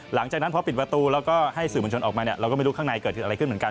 หลังจากนั้นพอปิดประตูแล้วก็ให้สื่อมวลชนออกมาเนี่ยเราก็ไม่รู้ข้างในเกิดคืออะไรขึ้นเหมือนกัน